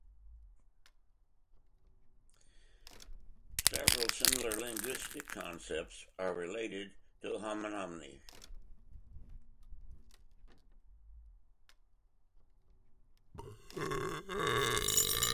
Several similar linguistic concepts are related to homonymy.